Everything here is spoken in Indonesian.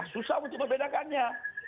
susah untuk membedakannya